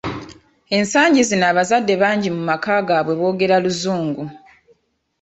Ensangi zino abazadde bangi mu maka gaabwe boogera luzungu.